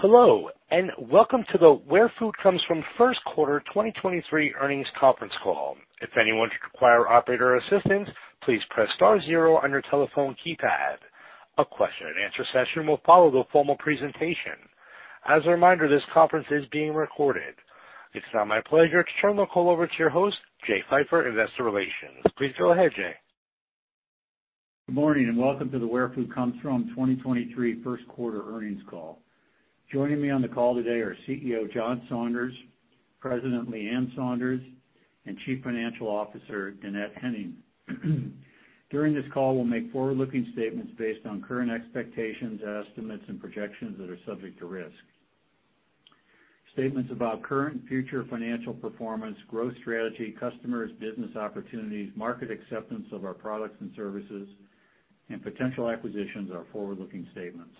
Hello, and welcome to the Where Food Comes From 1st Quarter 2023 Earnings Conference call. If anyone should require operator assistance, please press star 0 on your telephone keypad. A question and answer session will follow the formal presentation. As a reminder, this conference is being recorded. It's now my pleasure to turn the call over to your host, Jay Pfeiffer, Investor Relations. Please go ahead, Jay. Good morning, welcome to the Where Food Comes From 2023 first quarter earnings call. Joining me on the call today are CEO John Saunders, President Leann Saunders, and Chief Financial Officer Dannette Henning. During this call, we'll make forward-looking statements based on current expectations, estimates, and projections that are subject to risk. Statements about current and future financial performance, growth strategy, customers, business opportunities, market acceptance of our products and services, and potential acquisitions are forward-looking statements.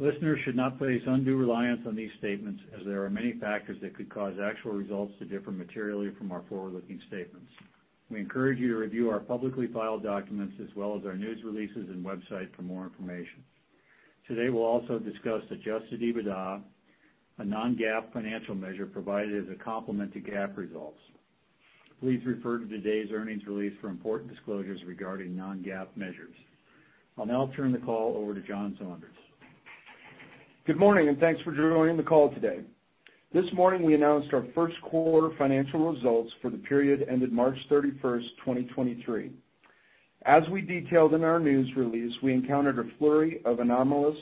Listeners should not place undue reliance on these statements as there are many factors that could cause actual results to differ materially from our forward-looking statements. We encourage you to review our publicly filed documents as well as our news releases and website for more information. Today, we'll also discuss adjusted EBITDA, a non-GAAP financial measure provided as a complement to GAAP results. Please refer to today's earnings release for important disclosures regarding non-GAAP measures. I'll now turn the call over to John Saunders. Good morning. Thanks for joining the call today. This morning, we announced our first quarter financial results for the period ended March 31, 2023. As we detailed in our news release, we encountered a flurry of anomalous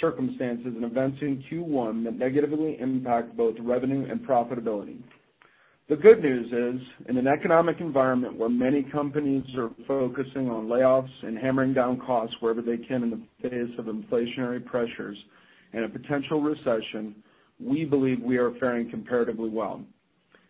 circumstances and events in Q1 that negatively impact both revenue and profitability. The good news is, in an economic environment where many companies are focusing on layoffs and hammering down costs wherever they can in the face of inflationary pressures and a potential recession, we believe we are faring comparatively well.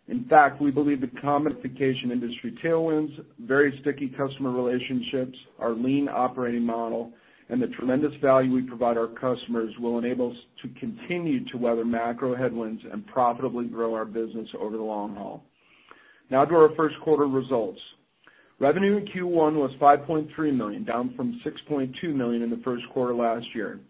In fact, we believe the commodification industry tailwinds, very sticky customer relationships, our lean operating model, and the tremendous value we provide our customers will enable us to continue to weather macro headwinds and profitably grow our business over the long haul. To our first quarter results. Revenue in Q1 was $5.3 million, down from $6.2 million in the first quarter last year.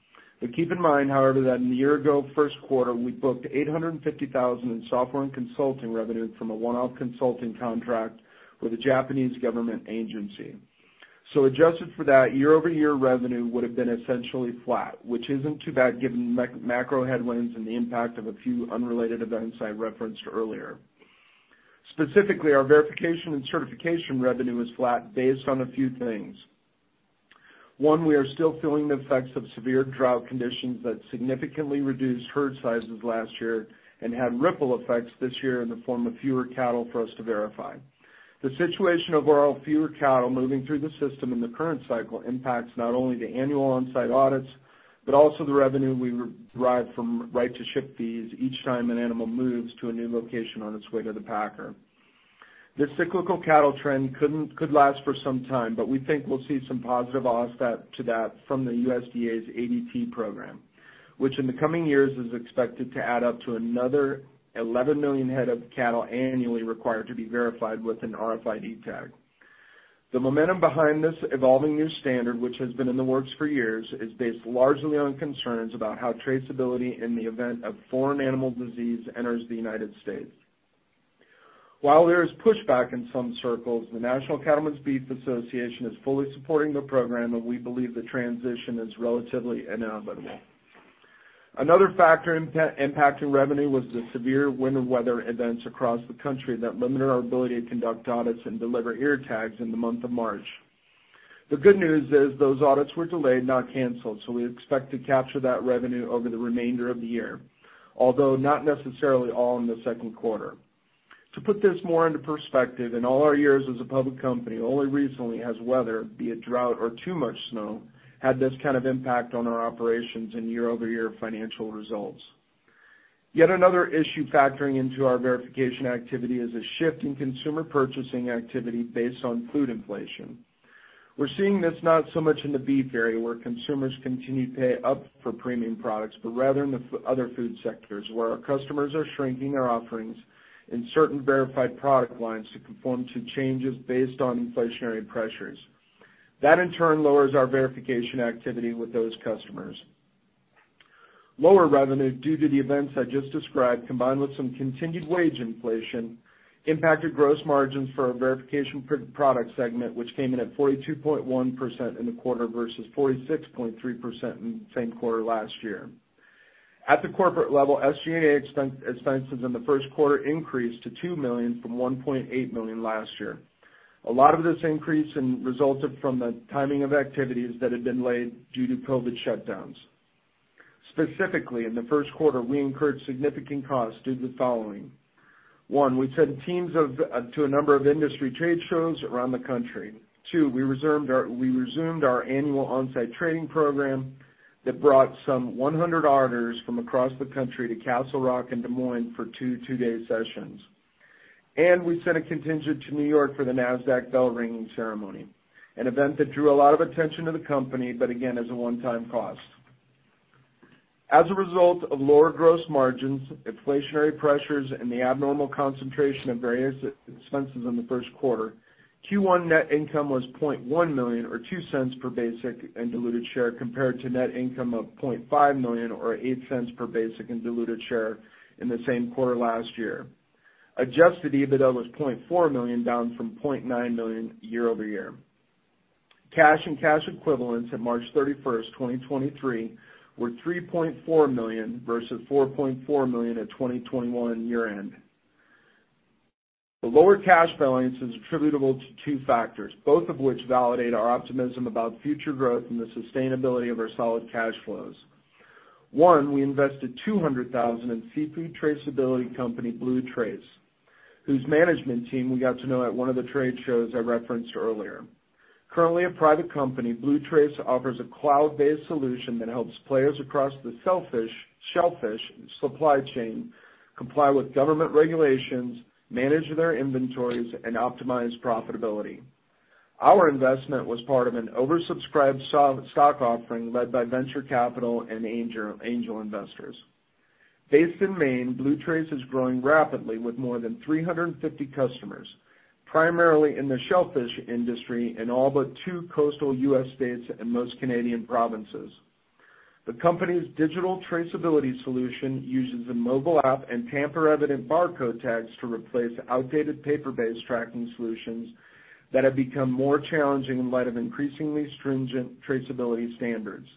Keep in mind, however, that in the year-ago first quarter, we booked $850,000 in software and consulting revenue from a one-off consulting contract with a Japanese government agency. Adjusted for that, year-over-year revenue would have been essentially flat, which isn't too bad given macro headwinds and the impact of a few unrelated events I referenced earlier. Specifically, our verification and certification revenue was flat based on a few things. One, we are still feeling the effects of severe drought conditions that significantly reduced herd sizes last year and had ripple effects this year in the form of fewer cattle for us to verify. The situation of overall fewer cattle moving through the system in the current cycle impacts not only the annual on-site audits, but also the revenue we derive from right to ship fees each time an animal moves to a new location on its way to the packer. This cyclical cattle trend could last for some time, but we think we'll see some positive offset to that from the USDA's ADT program, which in the coming years is expected to add up to another 11 million head of cattle annually required to be verified with an RFID tag. The momentum behind this evolving new standard, which has been in the works for years, is based largely on concerns about how traceability in the event of foreign animal disease enters the United States. While there is pushback in some circles, the National Cattlemen's Beef Association is fully supporting the program. We believe the transition is relatively inevitable. Another factor impacting revenue was the severe winter weather events across the country that limited our ability to conduct audits and deliver ear tags in the month of March. The good news is those audits were delayed, not canceled. We expect to capture that revenue over the remainder of the year, although not necessarily all in the second quarter. To put this more into perspective, in all our years as a public company, only recently has weather, be it drought or too much snow, had this kind of impact on our operations and year-over-year financial results. Yet another issue factoring into our verification activity is a shift in consumer purchasing activity based on food inflation. We're seeing this not so much in the beef area, where consumers continue to pay up for premium products, but rather in the other food sectors, where our customers are shrinking their offerings in certain verified product lines to conform to changes based on inflationary pressures. That, in turn, lowers our verification activity with those customers. Lower revenue due to the events I just described, combined with some continued wage inflation, impacted gross margins for our verification product segment, which came in at 42.1% in the quarter versus 46.3% in the same quarter last year. At the corporate level, SG&A expenses in the first quarter increased to $2 million from $1.8 million last year. A lot of this increase resulted from the timing of activities that had been delayed due to COVID shutdowns. Specifically, in the first quarter, we incurred significant costs due to the following. One, we sent teams to a number of industry trade shows around the country. Two, we resumed our annual on-site training program that brought some 100 auditors from across the country to Castle Rock in Des Moines for two two-day sessions. We sent a contingent to New York for the Nasdaq bell-ringing ceremony, an event that drew a lot of attention to the company, but again, is a one-time cost. As a result of lower gross margins, inflationary pressures, and the abnormal concentration of various expenses in the first quarter, Q1 net income was $0.1 million or $0.02 per basic and diluted share compared to net income of $0.5 million or $0.08 per basic and diluted share in the same quarter last year. Adjusted EBITDA was $0.4 million, down from $0.9 million year-over-year. Cash and cash equivalents at March 31, 2023 were $3.4 million versus $4.4 million at 2021 year-end. The lower cash balance is attributable to two factors, both of which validate our optimism about future growth and the sustainability of our solid cash flows. One, we invested $200,000 in seafood traceability company BlueTrace, whose management team we got to know at one of the trade shows I referenced earlier. Currently, a private company, BlueTrace offers a cloud-based solution that helps players across the shellfish supply chain comply with government regulations, manage their inventories and optimize profitability. Our investment was part of an oversubscribed stock offering led by venture capital and angel investors. Based in Maine, BlueTrace is growing rapidly with more than 350 customers, primarily in the shellfish industry in all but two coastal U.S. states and most Canadian provinces. The company's digital traceability solution uses a mobile app and tamper-evident barcode tags to replace outdated paper-based tracking solutions that have become more challenging in light of increasingly stringent traceability standards.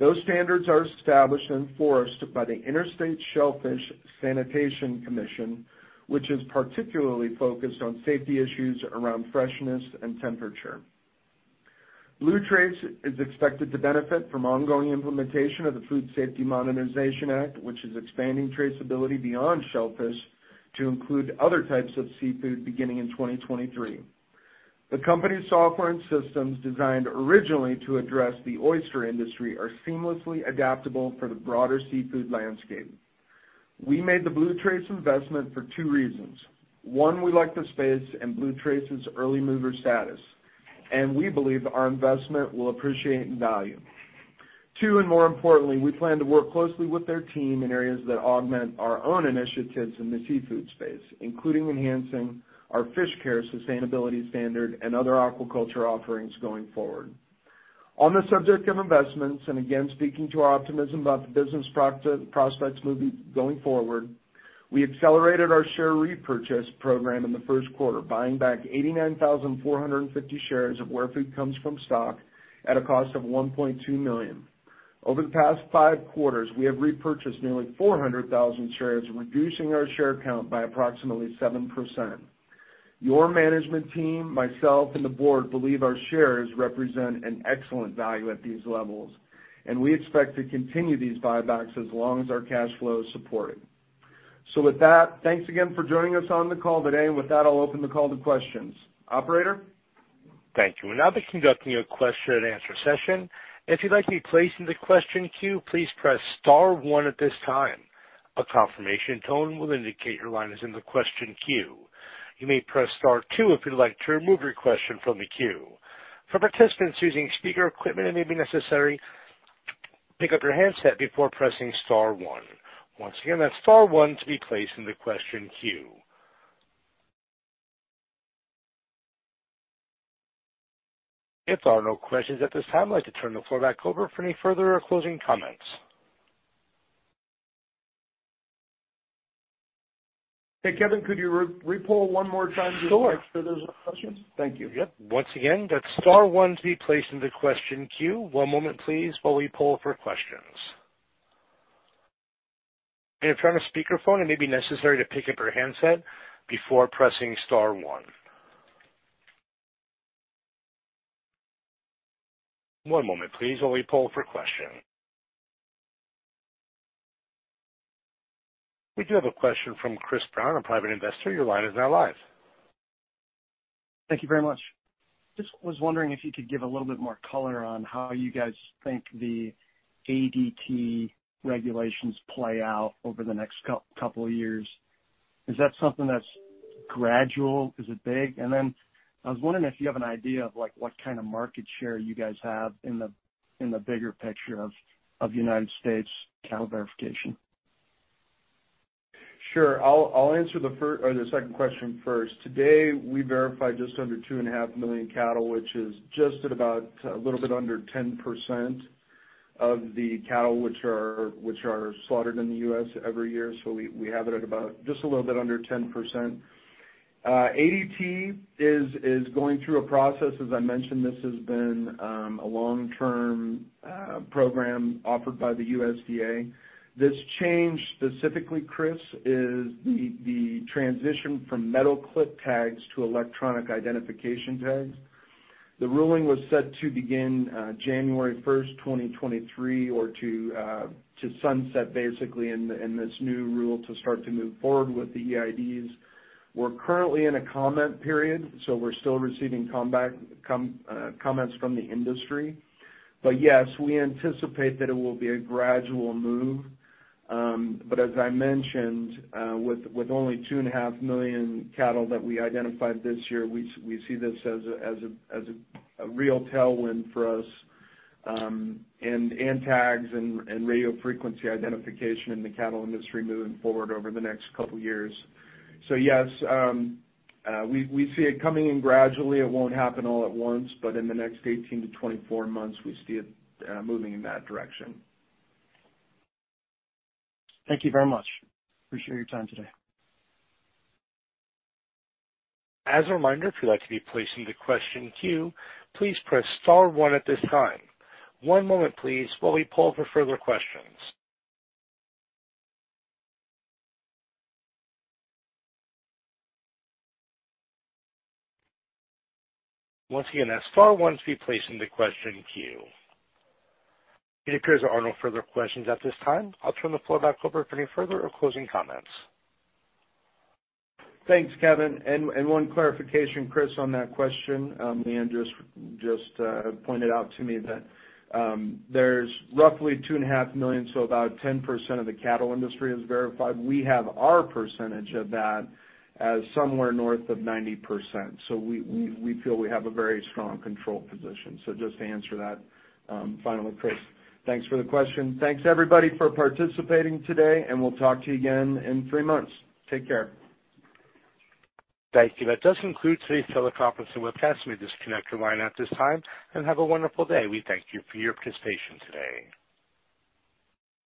Those standards are established and enforced by the Interstate Shellfish Sanitation Conference, which is particularly focused on safety issues around freshness and temperature. BlueTrace is expected to benefit from ongoing implementation of the Food Safety Modernization Act, which is expanding traceability beyond shellfish to include other types of seafood beginning in 2023. The company's software and systems, designed originally to address the oyster industry, are seamlessly adaptable for the broader seafood landscape. We made the BlueTrace investment for two reasons. One, we like the space and BlueTrace's early mover status, and we believe our investment will appreciate in value. Two, more importantly, we plan to work closely with their team in areas that augment our own initiatives in the seafood space, including enhancing our FishCARE sustainability standard and other aquaculture offerings going forward. On the subject of investments, again speaking to our optimism about the business prospects going forward, we accelerated our share repurchase program in the first quarter, buying back 89,450 shares of Where Food Comes From stock at a cost of $1.2 million. Over the past five quarters, we have repurchased nearly 400,000 shares, reducing our share count by approximately 7%. Your management team, myself, and the board believe our shares represent an excellent value at these levels, and we expect to continue these buybacks as long as our cash flow is supported. With that, thanks again for joining us on the call today. With that, I'll open the call to questions. Operator? Thank you. We'll now be conducting a question and answer session. If you'd like to be placed in the question queue, please press star one at this time. A confirmation tone will indicate your line is in the question queue. You may press star two if you'd like to remove your question from the queue. For participants using speaker equipment, it may be necessary to pick up your handset before pressing star one. Once again, that's star one to be placed in the question queue. If there are no questions at this time, I'd like to turn the floor back over for any further closing comments. Hey, Kevin, could you re-poll one more time just to make sure there's no questions? Thank you. Yep. Once again, that's star one to be placed in the question queue. One moment please while we poll for questions. If you're on a speakerphone, it may be necessary to pick up your handset before pressing star one. One moment please while we poll for questions. We do have a question from Chris Brown, a private investor. Your line is now live. Thank you very much. Just was wondering if you could give a little bit more color on how you guys think the ADT regulations play out over the next couple of years. Is that something that's gradual? Is it big? Then I was wondering if you have an idea of like what kind of market share you guys have in the, in the bigger picture of United States cattle verification? Sure. I'll answer or the second question first. Today we verified just under 2.5 million cattle, which is just at about a little bit under 10% of the cattle which are slaughtered in the U.S. every year. We have it at about just a little bit under 10%. ADT is going through a process. As I mentioned, this has been a long-term program offered by the USDA. This change, specifically, Chris, is the transition from metal clip tags to electronic identification tags. The ruling was set to begin January 1, 2023, or to sunset, basically in this new rule, to start to move forward with the EIDs. We're currently in a comment period, so we're still receiving comments from the industry. Yes, we anticipate that it will be a gradual move. As I mentioned, with only 2.5 million cattle that we identified this year, we see this as a real tailwind for us, and tags and radio frequency identification in the cattle industry moving forward over the next couple years. Yes, we see it coming in gradually. It won't happen all at once, but in the next 18-24 months, we see it moving in that direction. Thank you very much. Appreciate your time today. As a reminder, if you'd like to be placed into question queue, please press star one at this time. One moment please while we poll for further questions. Once again, that's star one to be placed in the question queue. It appears there are no further questions at this time. I'll turn the floor back over for any further or closing comments. Thanks, Kevin. One clarification, Chris, on that question, Leann's just pointed out to me that there's roughly 2.5 million, so about 10% of the cattle industry is verified. We have our percentage of that as somewhere north of 90%, so we feel we have a very strong control position. Just to answer that, finally, Chris. Thanks for the question. Thanks everybody for participating today, and we'll talk to you again in three months. Take care. Thank you. That does conclude today's teleconference and webcast. You may disconnect your line at this time and have a wonderful day. We thank you for your participation today.